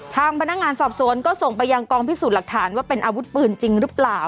ทางพนักงานสอบสวนก็ส่งไปยังกองพิสูจน์หลักฐานว่าเป็นอาวุธปืนจริงหรือเปล่า